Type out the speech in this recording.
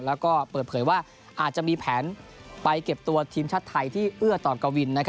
แล้วก็เปิดเผยว่าอาจจะมีแผนไปเก็บตัวทีมชาติไทยที่เอื้อต่อกวิน